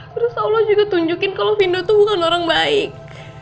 terus allah juga tunjukin kalau vindo tuh bukan orang baik